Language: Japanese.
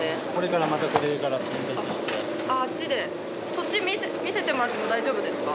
そっち見せてもらっても大丈夫ですか？